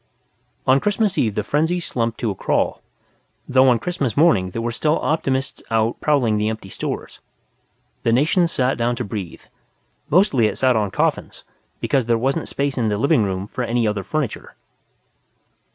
On Christmas Eve the frenzy slumped to a crawl, though on Christmas morning there were still optimists out prowling the empty stores. The nation sat down to breathe. Mostly it sat on coffins, because there wasn't space in the living rooms for any other furniture.